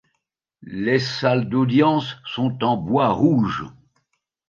Les salles d'audience sont en bois rouge.